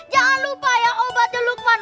jangan lupa ya obatnya lukman